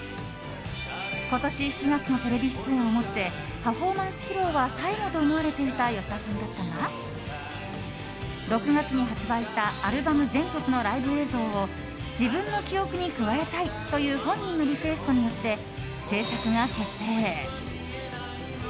今年７月のテレビ出演をもってパフォーマンス披露は最後と思われていた吉田さんだったが６月に発売したアルバム全曲のライブ映像を自分の記憶に加えたいという本人のリクエストによって制作が決定。